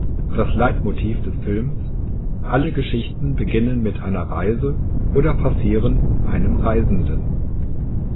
Das Leitmotiv des Films: Alle Geschichten beginnen mit einer Reise oder passieren einem Reisenden.